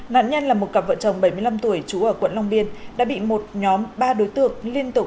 nạn nhân là một cặp vợ chồng bảy mươi năm tuổi trú ở quận long biên đã bị một nhóm ba đối tượng liên tục